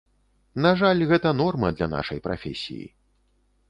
На жаль, гэта норма для нашай прафесіі.